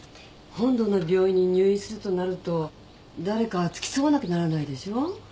本土の病院に入院するとなると誰か付き添わなきゃならないでしょう。